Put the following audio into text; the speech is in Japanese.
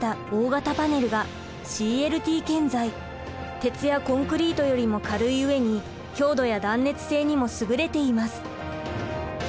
鉄やコンクリートよりも軽い上に強度や断熱性にもすぐれています。